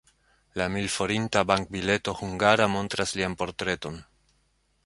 La mil-forinta bank-bileto hungara montras lian portreton.